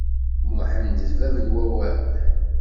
Muḥend d bab n wawal.